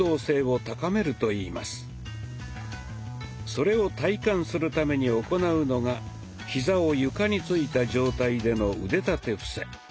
それを体感するために行うのがひざを床についた状態での腕立て伏せ。